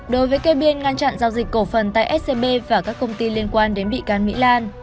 đối với cây biên ngăn chặn giao dịch cổ phần tại scb và các công ty liên quan đến bị can mỹ lan